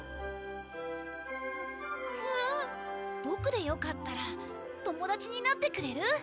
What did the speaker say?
ボクでよかったら友達になってくれる？